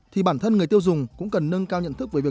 thì bản thân người tiêu dùng cũng cần nâng cao nhận thức